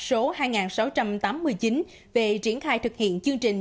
số hai nghìn sáu trăm tám mươi chín về triển khai thực hiện chương trình